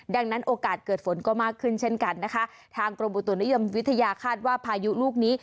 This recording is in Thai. ดังนั้นโอกาสเกิดฝนก็มากขึ้นเช่นกันนะคะทางกรมอุตุนิยมวิทยาคาดว่าพายุลูกนี้